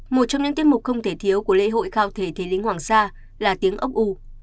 một trong những tiết mục không thể thiếu của lễ hội khao thể thế lính hoàng sa là tiếng ốc u